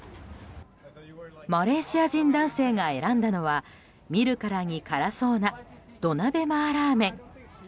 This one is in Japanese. マレーシア人男性が選んだのは見るからに辛そうな土鍋マーラー麺。